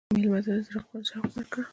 مېلمه ته د زړه شوق ورکړه.